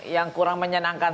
yang kurang menyenangkan